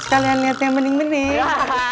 kalian liatnya bening bening